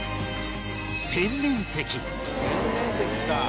「天然石か」